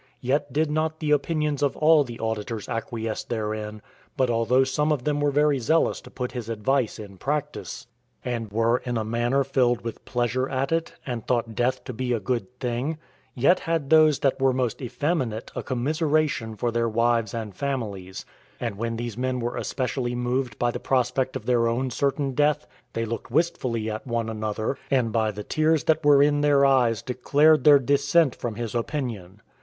Yet did not the opinions of all the auditors acquiesce therein; but although some of them were very zealous to put his advice in practice, and were in a manner filled with pleasure at it, and thought death to be a good thing, yet had those that were most effeminate a commiseration for their wives and families; and when these men were especially moved by the prospect of their own certain death, they looked wistfully at one another, and by the tears that were in their eyes declared their dissent from his opinion.